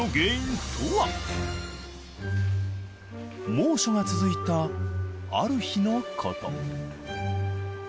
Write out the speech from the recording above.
猛暑が続いたある日のこと